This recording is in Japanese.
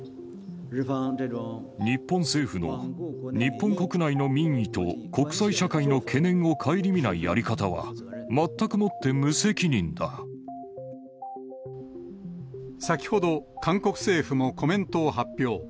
日本政府の日本国内の民意と国際社会の懸念を顧みないやり方は、先ほど、韓国政府もコメントを発表。